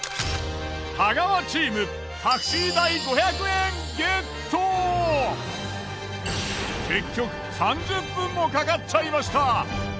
太川チーム結局３０分もかかっちゃいました。